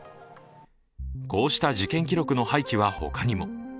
こうした事件記録の廃棄は他にも。